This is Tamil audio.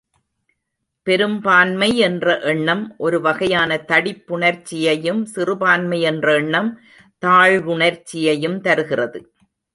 பெரும்பான்மை என்ற எண்ணம் ஒரு வகையான தடிப்புணர்ச்சியையும் சிறுபான்மை என்ற எண்ணம் தாழ்வுணர்ச்சியையும் தருகிறது.